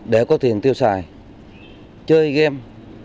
để có tiền tiêu xài chơi game